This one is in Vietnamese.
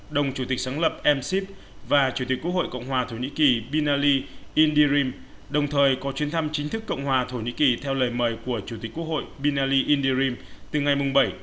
đồng chủ tịch sáng lập mc ba và chủ tịch quốc hội cộng hòa thổ nhĩ kỳ binali indirim đồng thời có chuyến thăm chính thức cộng hòa thổ nhĩ kỳ theo lời mời của chủ tịch quốc hội binali indirim từ ngày bảy một mươi hai một mươi